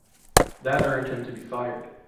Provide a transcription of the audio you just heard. That earned him to be fired.